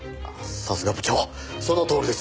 さすが部長そのとおりです。